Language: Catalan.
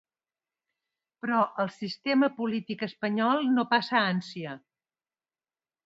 Però el sistema polític espanyol no passa ànsia.